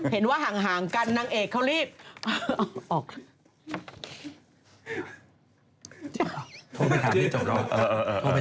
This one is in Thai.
เห็นว่าห่างกันนางเอกเขารีบโทรไปทางที่จบแล้ว